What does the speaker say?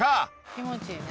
気持ちいいね。